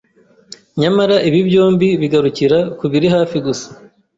nyamara ibi byombi bigarukira ku biri hafi gusa,